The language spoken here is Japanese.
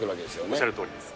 おっしゃるとおりです。